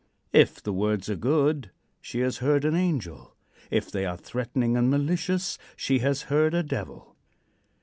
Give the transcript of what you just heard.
If the words are good, she has heard an angel; if they are threatening and malicious, she has heard a devil.